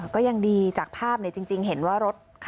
ก็ยังดีจากภาพจริงเห็นว่ารถ